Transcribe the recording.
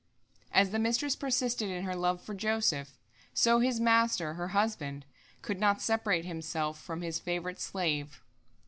As the mistress persisted in her love for Joseph, so his master, her husband, could not separate himself from his favorite slave.